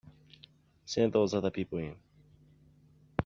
Send those other people in.